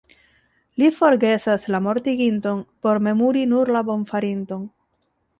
Li forgesas la mortiginton por memori nur la bonfarinton.